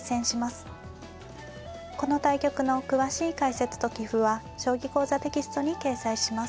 この対局の詳しい解説と棋譜は「将棋講座」テキストに掲載します。